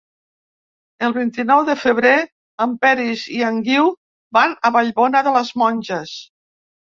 El vint-i-nou de febrer en Peris i en Guiu van a Vallbona de les Monges.